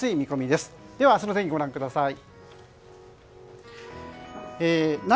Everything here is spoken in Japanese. では、明日の天気ご覧ください。